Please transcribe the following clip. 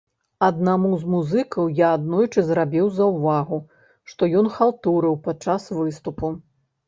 Аднаму з музыкаў я аднойчы зрабіў заўвагу, што ён халтурыў падчас выступу.